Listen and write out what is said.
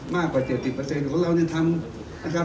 มากกว่าเจ็ดสิบเปอร์เซ็นต์ของเราเนี่ยทำนะครับ